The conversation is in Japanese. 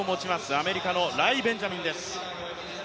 アメリカのライ・ベンジャミンです